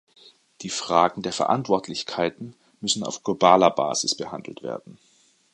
Die Fragen der Verantwortlichkeiten müssen auf globaler Basis behandelt werden.